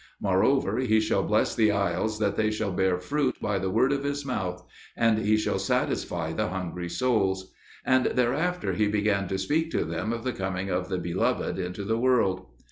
Moreover, He shall bless the isles that they shall bear fruit by the word of His mouth; and He shall satisfy the hungry souls." And thereafter he began to speak to them of the coming of the Beloved into the world.